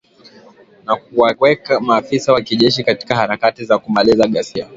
Na kuwaweka maafisa wa kijeshi katika harakati za kumaliza ghasia.